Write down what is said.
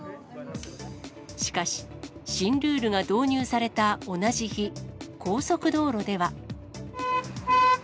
しかし、新ルールが導入された同じ日、高速道路では。